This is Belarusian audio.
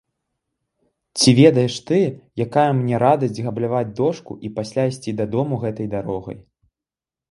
Ці ведаеш ты, якая мне радасць габляваць дошку і пасля ісці дадому гэтай дарогай.